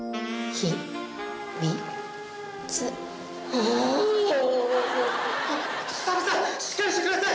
しっかりしてください。